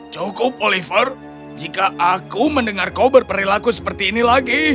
cukup oliver jika aku mendengar kau berperilaku seperti ini lagi